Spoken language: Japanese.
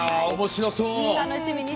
おもしろそう！